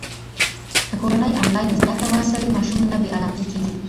که کورنۍ انلاین زده کړه وهڅوي، ماشوم نه بې علاقې کېږي.